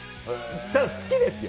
好きですよ。